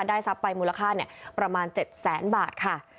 ได้สับไปมูลค่าเนี่ยประมาณเจ็ดแสนบาทค่ะ